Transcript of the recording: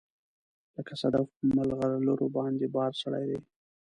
لکه صدف په مرغلروباندې بار سړی دی